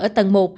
ở tầng một